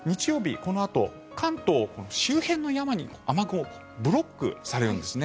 このあと、関東周辺の山に雨雲、ブロックされるんですね。